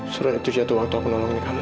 surat itu jatuh waktu aku nolongin kamu